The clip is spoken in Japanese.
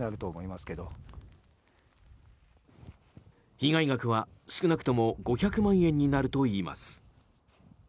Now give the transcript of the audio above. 被害額は少なくとも５００万円になるといいます。